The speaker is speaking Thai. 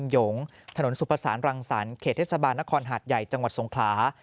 หยงถนนสุภาษารังสรรคเขตเทศบาลนครหาดใหญ่จังหวัดสงขลา